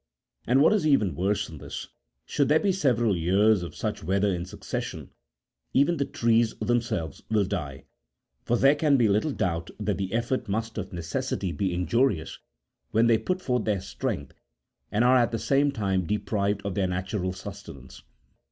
And what is even worse than this, should there be several years of such weather in succession, even the trees themselves will die ; for there can be little doubt that the effort must of necessity be injurious, when they put forth their strength, and are at the same time deprived of their natural sustenance.